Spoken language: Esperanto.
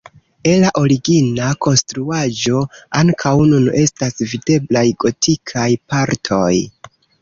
Ela origina konstruaĵo ankaŭ nun estas videblaj gotikaj partoj.